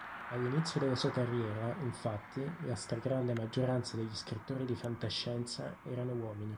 All'inizio della sua carriera infatti la stragrande maggioranza degli scrittori di fantascienza erano uomini.